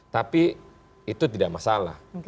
tapi itu tidak masalah